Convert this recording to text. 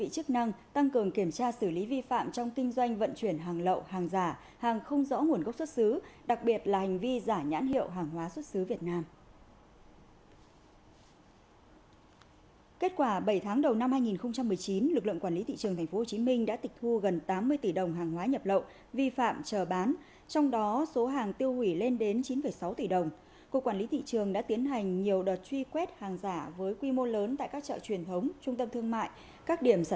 xin chào và hẹn gặp lại các bạn trong những video tiếp theo